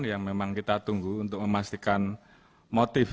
yang memang kita tunggu untuk memastikan motif